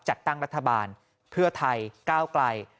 จัดตั้งรัฐบาลเพื่อไทยก้าวไกล